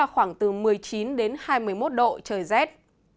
khoảng từ một mươi chín đến hai mươi một độ trời rét